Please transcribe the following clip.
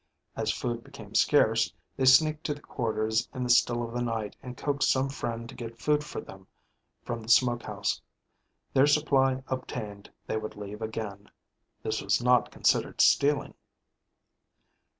As food became scarce, they sneaked to the quarters in the still of the night and coaxed some friend to get food for them from the smokehouse. Their supply obtained, they would leave again. This was not considered stealing.